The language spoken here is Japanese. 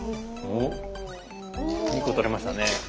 ２個取れましたね。